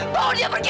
bawa dia pergi